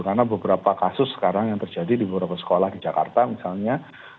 karena beberapa kasus sekarang yang terjadi di beberapa sekolah di jakarta misalnya